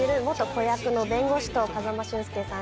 子役の弁護士と風間俊介さん